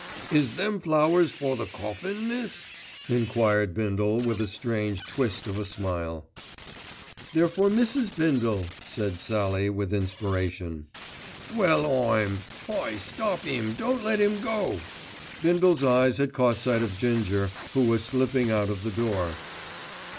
"Is them flowers for the coffin, miss," enquired Bindle, with a strange twist of a smile. "They're for Mrs. Bindle," said Sallie with inspiration. "Well, I'm— Hi, stop 'im, don't let 'im go." Bindle's eyes had caught sight of Ginger, who was slipping out of the door.